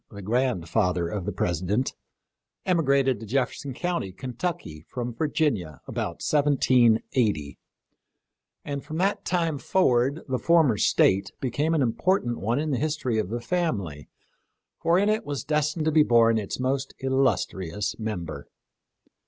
t the grandfather of the President, emi grated to Jefferson county, Kentucky, from Virginia about 1780, and from that time forward the former State became an important one in the history of the family, for in it was destined to be born its most illustrious member.